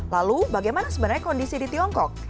lalu bagaimana sebenarnya kondisi di tiongkok